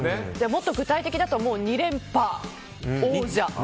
もっと具体的だと２連覇王者。